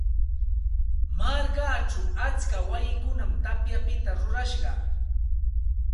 Markachaw atska wayikunam tapyapita rurashqa.